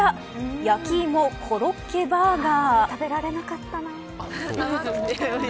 焼き芋コロッケバーガー。